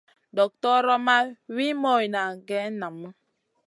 Doktora ma wi moyne geyn namu.